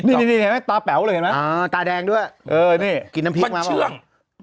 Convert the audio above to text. นี่ตาแป๋วเลยเห็นมั้ยตาแดงด้วยกินน้ำพริกมาบ้างมันเชื่อง